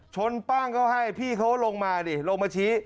ปั้งเขาให้พี่เขาลงมาดิลงมาชี้